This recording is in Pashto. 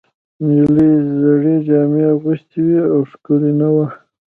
نجلۍ زړې جامې اغوستې وې او ښکلې نه وه.